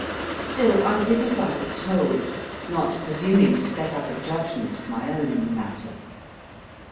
Still, I did as I was told, not presuming to set up a judgment of my own in the matter.